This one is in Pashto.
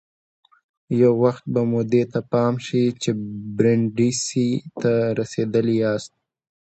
یو وخت به مو دې ته پام شي چې برېنډېسي ته رسېدلي یاست.